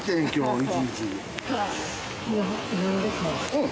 うん。